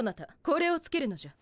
これをつけるのじゃ。